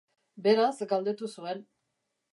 Beraz galdetu zuen.